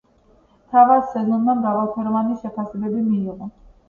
თავად სეზონმა მრავალფეროვანი შეფასებები მიიღო.